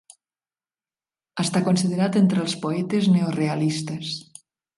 Està considerat entre els poetes neorealistes.